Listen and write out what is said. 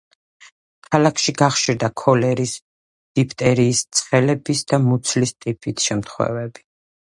ქალაქში გახშირდა ქოლერის, დიფტერიის, ცხელების და მუცლის ტიფის შემთხვევები.